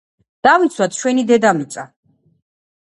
დავიცვათ ჩვენი დედამიწა